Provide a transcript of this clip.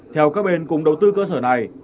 theo các bên cùng đầu tư cơ sở này